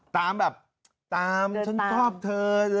ตามแบบตามฉันชอบเธอ